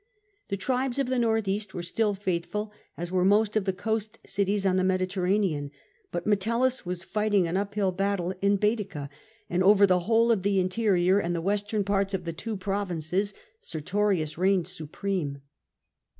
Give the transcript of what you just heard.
The tribes of the north east were still faithful, as were most of the coast cities on the Medi terranean. But Metellus was fighting an uphill battle in Baetica, and over the whole of the interior, and the western parts of the two provinces, Sertorius reigned supreme.